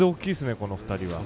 この２人は。